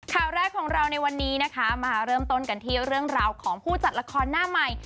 ข่าวแรกของเราในวันนี้นะคะมาเริ่มต้นกันที่เรื่องราวของผู้จัดละครหน้าใหม่